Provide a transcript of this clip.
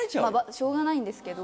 しょうがないんですけど。